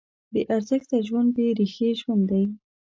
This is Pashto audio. بېارزښته ژوند بېریښې ژوند دی.